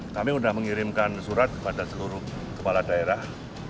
kami sudah mengirimkan surat kepada seluruh kepala daerah